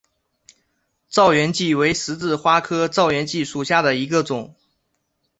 燥原荠为十字花科燥原荠属下的一个种。